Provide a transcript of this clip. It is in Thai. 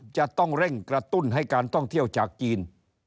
จะต้องเร่งกระตุ้นให้การท่องเที่ยวจากจีน